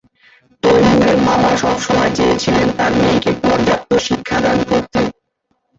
তৈমুরের বাবা সবসময় চেয়েছিলেন তার মেয়েকে পর্যাপ্ত শিক্ষাদান করতে।